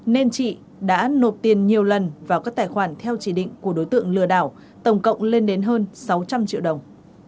nên chị đã nộp tiền nhiều lần vào các tài khoản theo chỉ định của đối tượng lừa đảo tổng cộng lên đến hơn sáu trăm linh triệu đồng